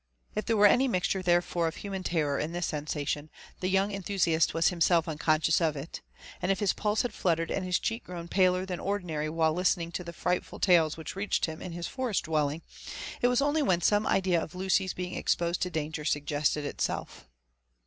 < If there were any mixture therefore of human terror in this sensa tion, the young enthusiast was himself unconscious of it ; and if his pulse had fluttered and his cheek grown paler than ordinary while listening to the frightful tales which reached him in his forest dwelling, it was only when some idea of Lucy's being exposed to danger sug gested itself.